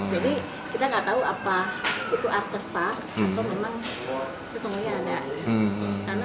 jadi kita nggak tahu apa itu artefa atau memang sesungguhnya ada